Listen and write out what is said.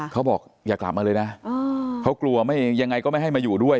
เขาบอกอย่ากลับมาเลยนะเขากลัวไม่ยังไงก็ไม่ให้มาอยู่ด้วย